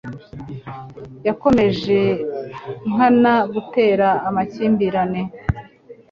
Yakomeje nkana gutera amakimbirane.